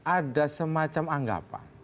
ada semacam anggapan